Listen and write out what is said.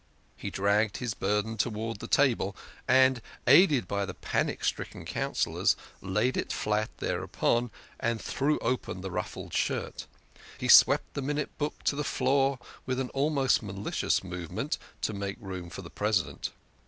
he dragged his burden towards the table, and, aided by the panic stricken Councillors, laid it flat thereupon, and threw open the ruffled shirt. He swept the Minute Book to the floor with an almost malicious movement, to make room for the President.